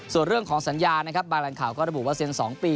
ส่วนเรื่องของสัญญานะครับบางแหล่งข่าวก็ระบุว่าเซ็น๒ปี